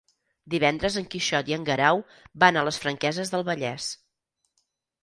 Divendres en Quixot i en Guerau van a les Franqueses del Vallès.